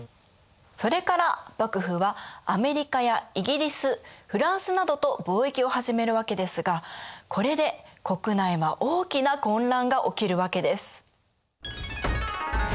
それから幕府はアメリカやイギリスフランスなどと貿易を始めるわけですがこれで国内は大きな混乱が起きるわけです。